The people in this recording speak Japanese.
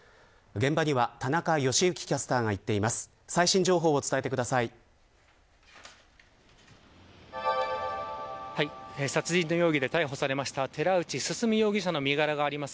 現場には田中良幸キャスターが行っています。